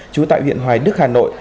chú tại huyện hoài đức hà nội